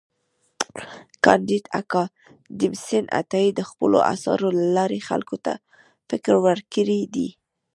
کانديد اکاډميسن عطايي د خپلو اثارو له لارې خلکو ته فکر ورکړی دی.